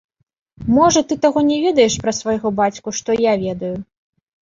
Можа, ты таго не ведаеш пра свайго бацьку, што я ведаю.